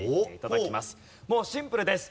もうシンプルです。